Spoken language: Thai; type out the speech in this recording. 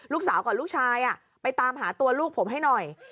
ลูกสาวกับลูกชายไปตามหาตัวลูกผมให้หน่อย